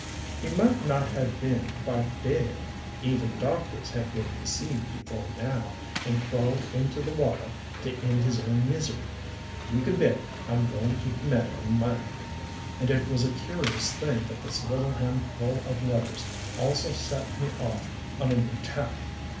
"He might not have been quite dead. Even doctors have been deceived before now, and crawled into the water to end his own misery. You can bet I'm going to keep the matter in mind." And it was a curious thing that this little handful of letters also set me off on a new tack.